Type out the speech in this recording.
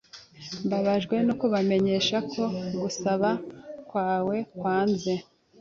Mbabajwe no kubamenyesha ko gusaba kwawe kwanze.